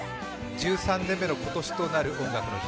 １３年目の今年なる「音楽の日」。